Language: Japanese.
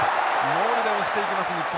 モールで押していきます日本。